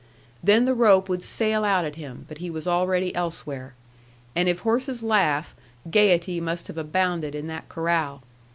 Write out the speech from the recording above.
Then the rope would sail out at him, but he was already elsewhere; and if horses laugh, gayety must have abounded in that corral.